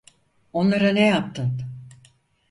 Onlara ne yaptın?